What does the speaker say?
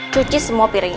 cuci semua piringnya